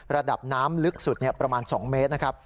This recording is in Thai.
ระดับน้ำลึกสุดประมาณ๒เมตรนะครับ